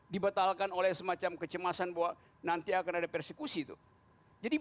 dibatalkan oleh semacam kecemasan bahwa nanti akan ada persekusi